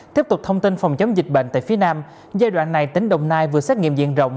tiếp tục thông tin phòng chống dịch bệnh tại phía nam giai đoạn này tỉnh đồng nai vừa xét nghiệm diện rộng